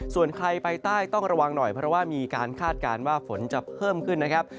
ส่วนใครไปใต้ต้องระวังหน่อยเพราะว่ามีการคาดการณ์ว่าฝนจะเพิ่มขึ้นนะครับ